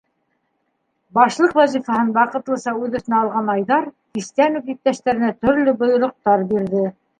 Башлыҡ вазифаһын ваҡытлыса үҙ өҫтөнә алған Айҙар кистән үк иптәштәренә төрлө бойороҡтар бирҙе.